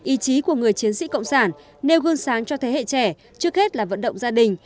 ý chí của người chiến sĩ cộng sản nêu gương sáng cho thế hệ trẻ trước hết là vận động gia đình